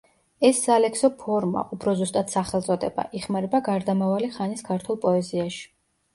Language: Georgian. ეს სალექსო ფორმა, უფრო ზუსტად, სახელწოდება, იხმარება გარდამავალი ხანის ქართულ პოეზიაში.